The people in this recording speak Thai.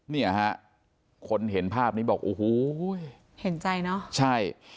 เนี่ยฮะคนเห็นภาพนี้บอกโอ้โหเห็นใจเนอะใช่